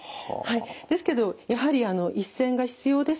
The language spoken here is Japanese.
ですけどやはり一線が必要です。